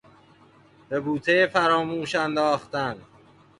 به بوته فراموش انداختن